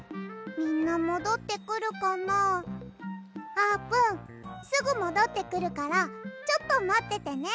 あーぷんすぐもどってくるからちょっとまっててね。